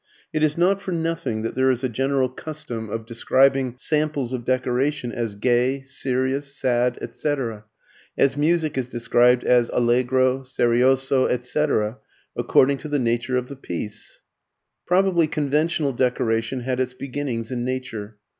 It is not for nothing that there is a general custom of describing samples of decoration as gay, serious, sad, etc., as music is described as Allegro, Serioso, etc., according to the nature of the piece. Probably conventional decoration had its beginnings in nature.